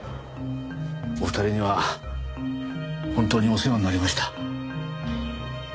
お二人には本当にお世話になりました。